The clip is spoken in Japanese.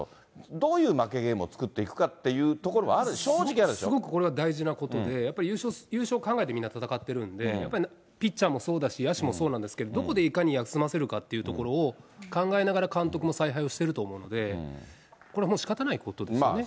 どういう負けゲームを作っていくかというところはある、正直あるすごくこれは大事なことで、やっぱり優勝考えてみんな戦ってるんで、やっぱりピッチャーもそうだし、野手もそうなんですけど、どこでいかに休ませるかというところを考えながら監督も采配をしてると思うんで、これはもう、しかたないことですよね。